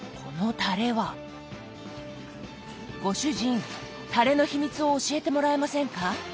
ご主人タレの秘密を教えてもらえませんか？